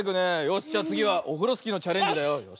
よしじゃあつぎはオフロスキーのチャレンジだよ。